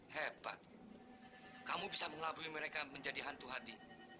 hebat kamu bisa mengelabui mereka menjadi hantu hati